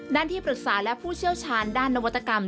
ที่ปรึกษาและผู้เชี่ยวชาญด้านนวัตกรรม